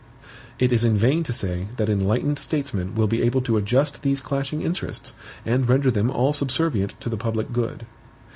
It is in vain to say that enlightened statesmen will be able to adjust these clashing interests, and render them all subservient to the public good.